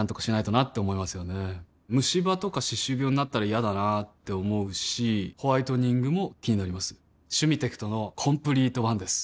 ムシ歯とか歯周病になったら嫌だなって思うしホワイトニングも気になります「シュミテクトのコンプリートワン」です